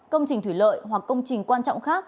công trình thủy lợi hoặc công trình quan trọng khác